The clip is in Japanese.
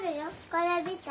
これ見て。